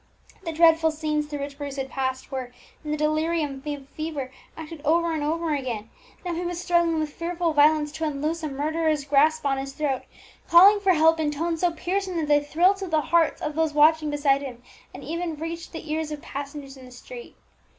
The dreadful scenes through which Bruce had passed were, in the delirium of fever, acted over and over again: now he was struggling with fearful violence to unloose a murderer's grasp on his throat, calling for help in tones so piercing that they thrilled to the hearts of those watching beside him, and even reached the ears of passengers in the street.